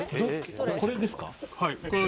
これですか？